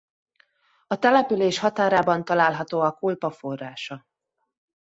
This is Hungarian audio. A település határában található a Kulpa forrása.